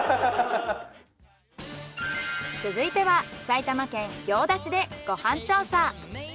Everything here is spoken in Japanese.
続いては埼玉県行田市でご飯調査。